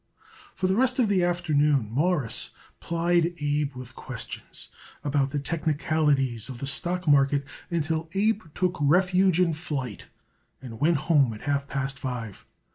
For the rest of the afternoon Morris plied Abe with questions about the technicalities of the stock market until Abe took refuge in flight and went home at half past five.